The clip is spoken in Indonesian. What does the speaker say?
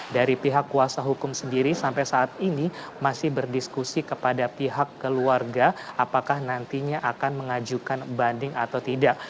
dari pihak kuasa hukum sendiri sampai saat ini masih berdiskusi kepada pihak keluarga apakah nantinya akan mengajukan banding atau tidak